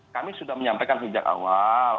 kami sudah menyampaikan sejak awal